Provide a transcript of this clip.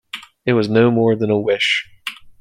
It was no more than a wish.